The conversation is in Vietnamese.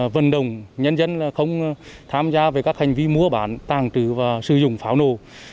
vận động nhân dân không tham gia về các hành vi mua bán tàng trữ và sử dụng pháo nổ